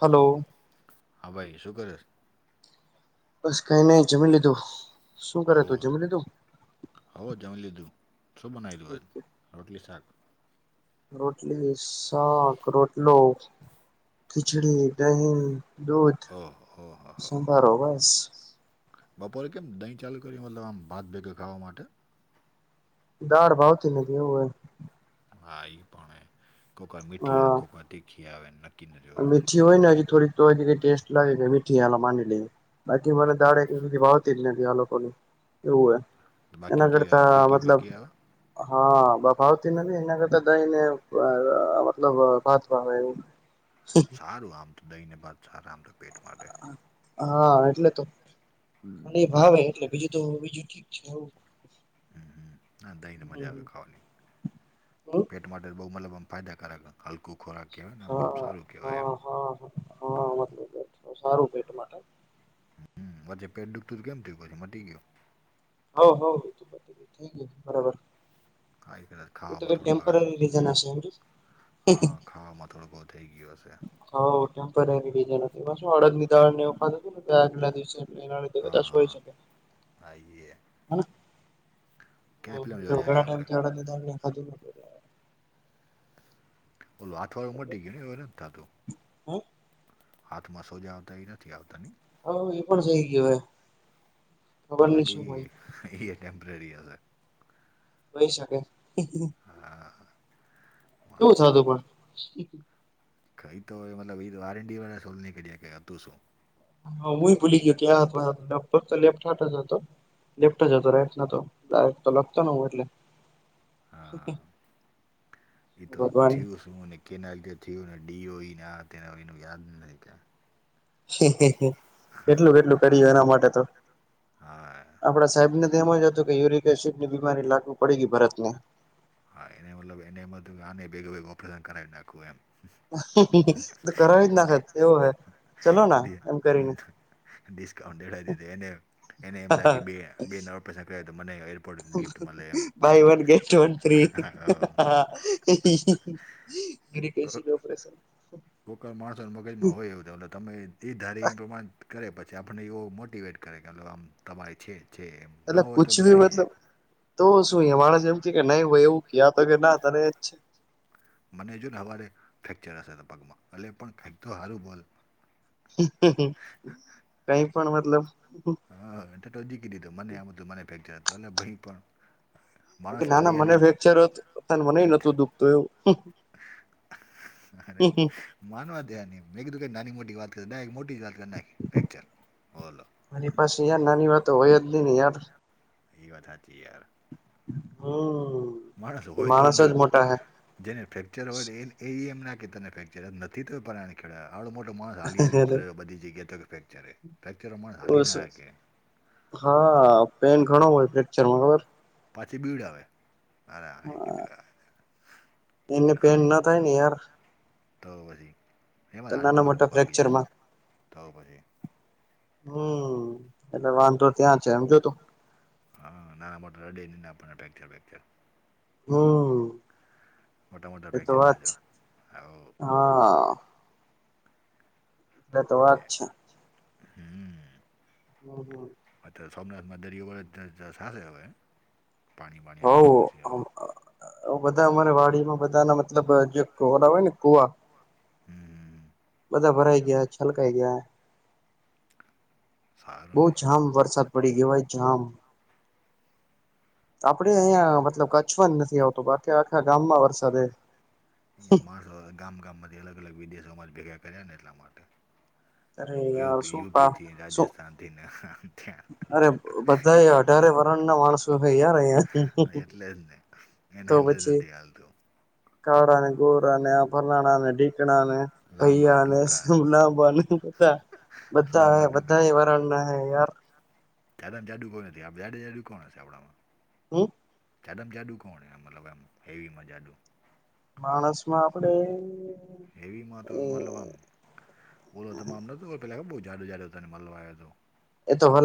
Hello. હા ભાઈ શું કરે છે? બસ કઈ નઈ જમી લીધું શું કરે તું જમી લીધું હવ જમી લીધું શું બનાવી દઉ આજ રોટલી શાક રોટલી શક રોટલો ખીચડી દહી દૂધ શુંભારો બસ બપોરે કેમ દહીં ચાલુ કરી્યું મતલબ આમ ભાત ભેગે ખાવા માટે દાળ ભાવતી ન કેવ હા ઈ પણ કોકર મીઠી આવે કોકર તીખી આવેને નક્કી ન એનું. મીઠી હોય ને હજી થોડી તો હજી ટેસ્ટ લાગે મીઠી આ માની લઈએ બાકી મને દાળ એ નથી લોકોની એવું એના કરતા મતલબ હા ભાવતી નથી એના કરતા દહી ને મતલબ ભાત ભાવે એવ હા. સારું આમ તો દહી ને ભાત સારા આમ. હા એટલે તો ભાવે એટલે બીજું તો બીજું છ અને દહીંને મજા આવે ખાવાની પેટ માટે બહુ મતલબ આમ ફાયદાકારક હલકો ખોરાકવાયને મતલબ સારું કેય હા મતલબ સારું પેટ માટે હમ પછે પેટ ડુખતું કેમ થયું પછ મટી ગયયો હ હો થક યુ બરાબર એ તો ક ટેમ્પરરી રીઝન હશે એ ખાવામાં થોડો બહુ થઈ ગયો હશે હ ટટેમ્ લીજ એ પા ઓર્ડર લીધાવા ને ઓખાુંનેટલાિવસે હોય છે આઈએ [unintelligible] [unintelligible] ઓોલું આથવારું ઉમટી ગયું એવું નથી થતું હાથમાં સોજા આવતા એનાથી આવતા નહી હ એ પણ થઈ ગયયો હય મતલાબ કે એ ટટેમ્પ્રેરી અશે કઈ શકે હા, [unintelligible] ખં તો હોય મતલબ એ વાંટી વાળ સોલ નહી ક્યાં કે હતું શું હા હું ભૂલી ગયો કે આ ફત લેફ્ટ હાટ હતો લેફ્ટ જ તો રાઈટ ના તો ડક્ટ તો લખતો હું એટલે એ તો થયુસું અને કેનાલકે થયું અનેને ડીઓને યાદ નથી કેટલું કેટલું કરી્યું એના માટે તો આપડા સાહેબ ને એ જતું કે યુરિક એસિડ ની બીમારી લાગુ પડી ગઈ ભરત ને હા એ મતલબ એનેમાંને બેગ ઓપરેશન કરાવી નાખવું એમ તો કરાવી જ નાખે એવો હે ચલો ના એમ કરીને ડિસ્કાઉન્ટ દેળ દીધું એને એને એમ લાગી બે બે નવ પૈસા કર તો મને buy one get one three એરી કસી ઓપરેશન કોલ માણસો મગજમાં હોય એવું એ તમે એ ધારી પ્રમાણ કરે પછી આપણને એવું મોટટીવેટ કરે આમ તમારી છે જે એ એટલે કછ ભી મતલબ તો શું માણસ એમ છે કે નહી એવું ક તો કે ના તને એ જ છે મને જો ને હવારે ફ્રેક્ચર હશે તો પગમાં એલે પણ કેં તો સારું બોલ કઈ પણ મતલબ હાટજીી કી દીધો મને આમધું મને ફેક્ચર હતોું એટલે ભાઈ પણ નાના મન્યુફેક્ચર મનેય નતું દુખતું એવું અરે માનવા તારની મેં કીધું ક નાની મોટી વાત કરી ના એક મોટી જ વાત ચના ફ્રેક્ચર ઓલો એ વાધતી યાર હમ મારાજ હોય તો એને [inaudible] જેને ફ્રેક્ચર હોય એમ નાખી તને ફ્રેક્ચર નથી તો પ્રાણ કે આ આવડો મોટો માણસ હલી હલીને ફરે બધી જગ્યાએ તો કે ફ્રેક્રરે ફ્રેક્ચરમાં માણસ હલી ના આ કે હા પેન ઘણો હોય ફેક્ચરમાં ખબર હે. પાછી બીવડાવે. હા એને પેન ન થાય ને યાર. તો પછી એમજ હાડકું વાડકું ભાંગી જાય. તો પછી હમ [inaudible] હા નાના મોટા હૃદયના ને ના પડે ફેકચર બેકચર. મોટા મોટા ફેક્ચરમાં જ આ હાવ હહ એ વાત છે. હમ હમ હમ અતારે સોમનાથમાં દરિયો વળે તો ચાલે હવે હે? હોવ અ હોવ બધા અમારે વાડીમાં બધાંના મતલબ જે કોરા હોય ને કુવા. બધા ભરાઈ ગયા, છલકાઈ ગયા. બહુ જામ વરસાદ પડી કેવાય જામ. આપડે અહીંયા મતલબ કચ્છમાં જ નથી આવતો બાકી આખા ગામમાં વરસાદ હે. અહીંયા માણસો ગામ ગામમાંથી અલગ અલગ વિદેશોમાં જ ભેગા કર્યા ને એટલા માટે. યુપી યુપીથી રાજસ્થાનથી ને ત્યાં. અરે બધાંએ અઢારે વર્ણના માણસો હે યાર અહીંયા. હા એટલે જ ને. તો પછી. કાળાને, ગોરાને આ ફલાણાને, ઢીક ણાને, ભૈયાને, શમલાબા ને બધાં. બધા હે બધાએ વરણના હૈ યાર. જાડામાં જાડુ કોઈ નથી. આ જાડે જાડું કોણ હશે આપણામાં? હું? જાડામાં જાડું કોણ હે આમ મતલબ આમ હેવીમાં જાડું? માણસમાં આપડે હેવીમાં તો મતલબ આમ ઓલો તમે આમ નતો પહેલા બહુ જાડો જાડો તને મલવા આયો તો.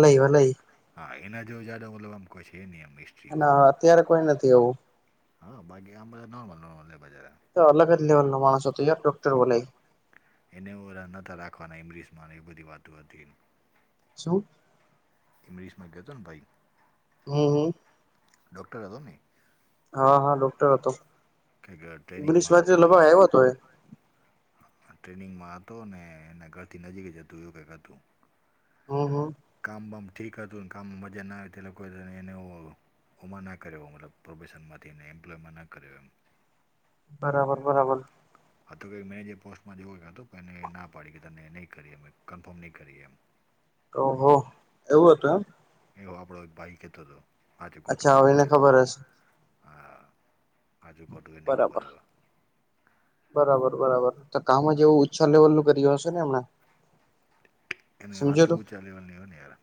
[inaudible] હા એના જેવો જાડો મતલબ આમ કોઈ છે નહીં આમ વીસ અને અત્યારે કોઈ નથી એવો. હહ બાકી આમ બધા નોર્મલ નોર્મલ હે બચારા. ઈતો અલગ જ લેવલનો માણસ હતો યાર ડોક્ટર વલય. એને ઓલા નતા રાખવાના એમબીએસ માંને એવી બધી વાતો હતી ને. શું? ઈમરીશમાં ગયો તોને ભઈ? હમ હમ ડોક્ટર હતો ને ઈ? હા હા ડોક્ટર હતો. ઈમરીશમાંથી એ લગભગ આયવો તો એ. ટ્રેનિંગમાં હતો ને એના ઘરથી નજીક જ હતું એવું કાંઈક હતું. હમ હમ કામબામ ઠીક હતું ને કામમાં મજા ના આવી તે લોકોને એને ઉ ઓમાં ના કર્યો મતલબ પ્રોફેશનમાંથી ને એમ્પ્લોયમાં ના કર્યો એમ. બરાબર બરાબર. કાતો વે મેજે પોસ્ટમાં તેં હોય કાતો ના પાડી કતા તને નઈ કરીએ અમે કન્ફર્મ નઈ કરીએ એમ ઓહો એવું હતું એમ એવો આપણો એક ભાઈ કહેતો હતો અચ્છા હવેને ખબર હશે હા હાચું ખોટું એને ખબર હવે. બરાબર બરાબર. તો કામ જ એવું ઊંચા લેવલનું કર્યું હશે ને એમણે. એની વાતું ઊંચા લેવલની હોય ને યાર.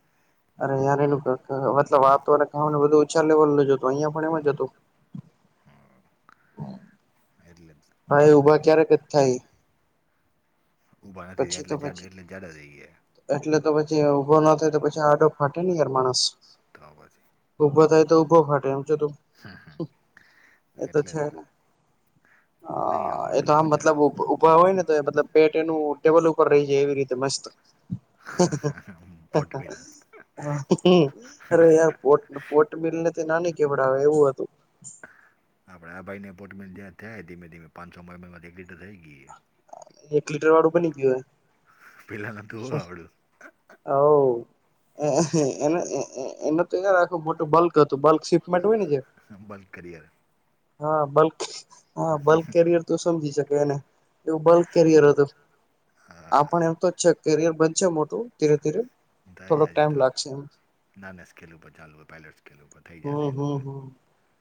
અરે યાર એનું કાક મતલબ આતો એને કામને બધું ઊંચા લેવલનું જ હતું. અહિયાં પણ એમજ હતું. હમ હા એટલે જ. હા એ ઊભા ક્યારેક જ થાય ઊભા નથી થાય એટલે જાડ એટલે જાડા થઈ ગયા એટલે તો પછી આ ઊભો ના થાય તો પછી આડો ફાટે નહી યાર માણસ ઊભો થાય તો ઉભો ફાટે એમ છે તો એતો છે ને હ એ તો આમ મતલબ ઉભા હોય ને તો એ મતલબ પેટ એનું ટેવલ ઉપર રહી જાય એવી રીતે મસ્ત અરે યાર પોટ પોટ બિલ ને તેં નાની કેવડાવે એવું હતું હા ભાઈ આ ભાઈને પોટમેન્ટ જ્યાં થાય ધીમે ધીમે પાંચસોમાં એમાં એકલીટર થઈ ગઈ કલીટર વાળું બની ગયું એ અવ અહ અને તો યાર આખું મોટું બલ્ક ક હતું બલ્ક સિપમેન્ટ હોય ને જે હંમબલ કરિયર હા બલ્ક હા બલ્ક કેરિયર તો સમજી શકે એને એવું બલ્ક કેરિયર હતું આપ એમ તો જ છે કેરિયર બનશે મોટું ધીરે ધીરે થોડોક ટાઈમ લાગશે એમ ના ના સ્કેલ ઉપર ચાલુ હોય પહેલા સ્કેલ ઉપર થઈ જશે એનું હો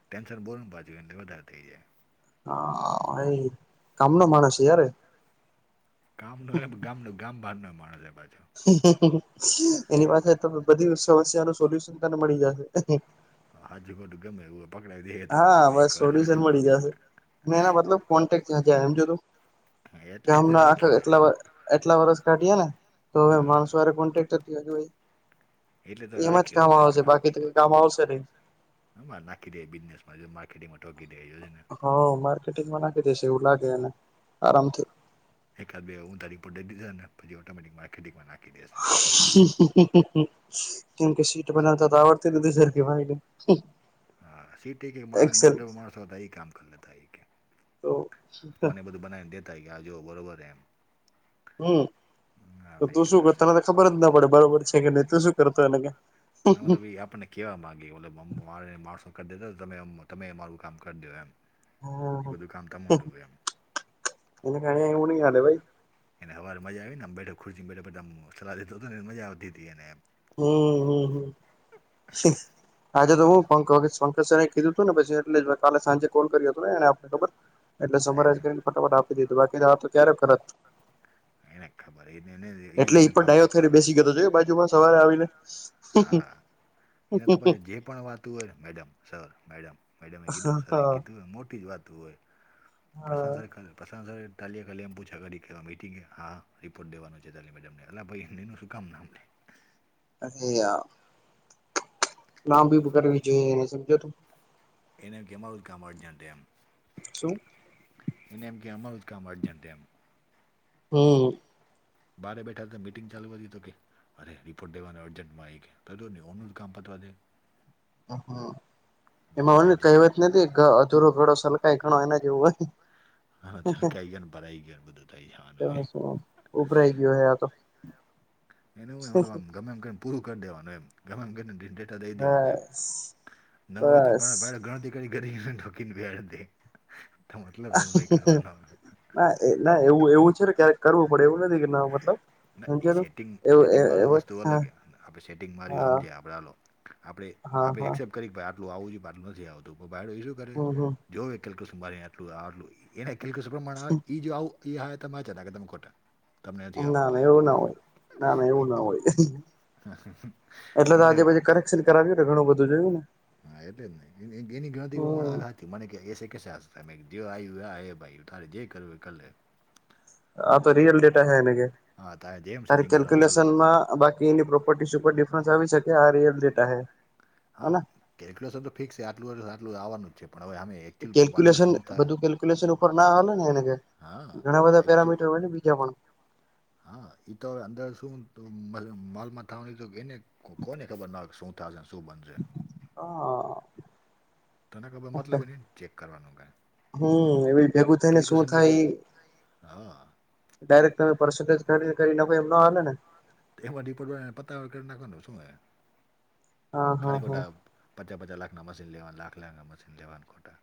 ટેન્સર બોરનું પાજું એટલે વધારે થઈ જાય હા એ કામ નો માણસ છે યાર કામ નો હે પણ ગામ નો ગામ બાર નો માણસ હે પાછો એની પાસે બધી સમસ્યા નું સોલ્યુશન તને મળી જશે હાચુ ખોટું ગમે એવુ પકડાવી દેહે તમને એક વાર મે એના મતલબ કોન્ટેક જ એમ જો તો હમણા આ ખ એટલા એટલા વરસ કાઢીએ ને તો હવે માણસો વારે કોન્ટેક્ટ થતો જ હોય એમાં જ કામ આવશે બાકી તો કઈ કામ આવશે નહી હ માર નાખી દેય બીઝનેસમાં જ માર્કેટિંગમાં તોબી દેય હ માર્કેટિંગમાં નાખી દેશે એવું લાગેને આરામથી એખાદ બે હું તારી [unintelligible] પછી ઓટોમેટિક માર્કેટંગમાં નાખી દેશે કેમ કે સીટ બનાવતા તો આવડતી નથી સરખી ભાઈને હા સીટ મારે નંગ એવો માણસ હતા એ કામ કર લેતા એક કે મને બધું બનાવીને દેતા કે આ જુઓ બરોબર એમ હમ તો તું શું કરતાને તો ખબર જ ના પડે બરોબર છે કે નહી તું શું કરતો એને કે નો મતલબ એ આપણને કેવા માંગે ઓ અમારે માણસો કરી દેતા તમે તમે અમારું કામ કરી દેઓ એમ હમ એના કારણે એવુ ની હાલે ભાઈ એને હવારે મજા આવી ને એમ બેઠક ખુર બેઠા સલાહ લીધા હતો ને મજા આવતી હતી અને એમ હમ હમ હમ હાજે તો હું પંક પંકજ એ કીધું તું ને પછી એટલે કાલે સાંજે કોલ કર્યો હતો ને એને આપડે ખબર એટલે સમમારાજ કરીને ફટાફટ આપી દીધું બાકી ક્યારે કરત [inaudible] એને ખબર [inaudible] એટલે ઈ પણ ડાયો થય બેસી ગયોતો જોઈ બાજુમાં સવારે આવી ને હા એને તો પછી જે પણ વાતું હોયને મેડમ સર મેડમ મેડમે કીધું સર એ કીધું મોટી જ વાત હોય પ્રશંસા પ્રસસ તાલી ખાલી એમ પૂછા કરી કેવા મિટિંગ હા રિપોર્ટ દેવાનો છે તાલી મેડમનેલા ભાઈ એમ એનું શું કામ નામને અરે યાર નાં ભી કરવી જોઈએ એને સમજો તો એને કેમારું જ જામ અર્જન્ટ એમ શું એને એમ કે અમારું જ કામ અર્જન્ટ એમ હમ. બરે બેઠા તા મીટિંગ ચાલુ કરીએ તો કે અરે રિપોર્ટ દેવાનો અર્જન્ટમાં એક ઓનું જ કામ પતવા દે અહ એમાં ક ઓલી વાત નથી ધ અધૂરો ઘણો સલકાય ઘણો એના જેવો હોય હા છલકાઈ ગયા ને ભરાઈ ગયા બધું થય જવાનુ હે ઉપભરાઈ ગયો હે આ તો એનું હમ ગમે એમ પૂરું કરી દેવાનું એમ. ત દઈ દેવાના એમ ન હોય તો ગણ ગણ ગણ હેન્ડ વર્કિંગ વેરાઈટી મતલબ શું ભાઈ કરવાનો. ના એ ના એવું એવું છે, ને કયારેક કરવું પડે એવું નથી કે ન મતલબ ના એ સેટિંગ સેટિંગ વાળું વસ્તુ અલગ આપણે સેટિંગ માર સમજે આપણા આલો આપણે આપણે એક્સેપ્ટ આટલુ આવું જો આટલું નથી આવતું કરે જોવે કે શું મારે આટલું એને ખિલ કશું પ્રમાણે આવે ઈ જો આવું ઈ હા તમે ચા એકદમ ખોટા તમને નથી આવડતું [inaudible] [inaudible] હા એટલે જ ને એની ગણતરી પ્રમાણે થી મને એ કેસે કેસે આસ્થા મે કીધું જે આવ્યું ભાઈ તારે જે કરવુ કરલે આ તો રિયલ ડેટા હેને કે તારી કેલ્ક્યુલેશનમાં બા કીની પ્રોપર્ટી સુપર ડિફરન્સ આવી શકે આ રિયલ ડેટા હે અને કેલ્ક્યુલેન તો ફિક્સ છે, આટલું આટલું આવવાનું જ છે, પણ હવે હામે કેલ્ક્યુલેશન બધું કેલ્ક્યુલેશન ઉપર ના આવે ને એને કે ઘણા બધા પેરામીટર હોય ને બીજા પણ હા એતો અંદર શું તુ માલ માલ થવાની તો એને કોને ખબર ના શું થાઝન શું બંધ છે. હા. તને ખબર મતલબ હે ન ચેક કરવાનું કાય હમ એવી ભેગું થઈ ને શું થાય ઈ હા. ડાયરેક્ટ તમે પર્સન્ટજ કરી કરી નાખો એમ નો હાલે ને એમાંથી પણ પતાવા કર નાખુને શું ખલી કોટ પચા પચા લાખના મશી લેવા લાખાના મશીન લેવાન ખોટા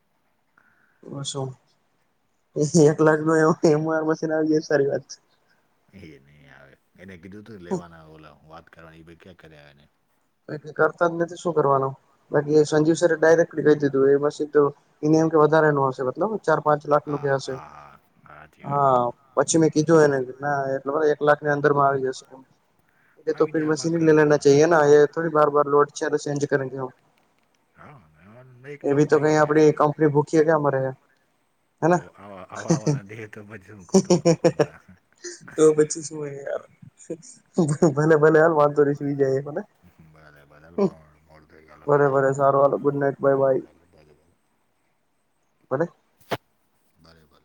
એશી એક લાખનુ એ સારી વાત છે. એ નહી આવે એને કીધું તું લેવાના ઓલો વાત કરવાની બી કે કરે આવે ને કરતા જ નથી શું કરવાનું બાકી એ સંજીવ સરે ડાયરેક્ટલી કેય દીધું એ પછી તો એની એમ કે વધારે ન હશે મતલબ ચાર પાંચ લાખ નું કે હશે હા પછી મેં કીધું એને ના એટલે એક લાખની અંદર માં આવી જશે એમ એતો ફીર મશીન લે લેના ચાહિયે એ થોડી બાર બાર લોડ છે ચેન્જ કરેગે હમ. હા એક નવું થઈ જાય એ જે જા મરે તો આ આવાના દેય તો પછી શું કરુ મફતમાં તો પછી શું હોય યાર ભલે ભલે હાલ વાંધો ની સુઈ જાય બરાબર પણ મોડું થઈ તો હુઈ જાય [inaudible] [inaudible] બરે બલ